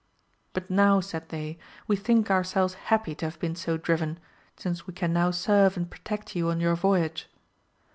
But now said they, we think ourselves happy to have been so driven, since we can now serve and pro tect you on your voyage.